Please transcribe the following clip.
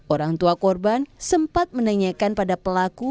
orang tua korban sempat menanyakan pada pelaku